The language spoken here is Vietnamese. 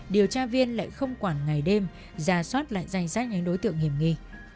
điều tra viên lại không quản ngày đêm ra xót lại danh sách những đối tượng hiềm nghi